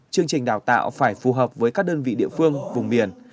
chương trình đào tạo phải phù hợp với các đơn vị địa phương vùng miền